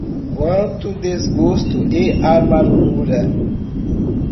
Quanto desgosto e amargura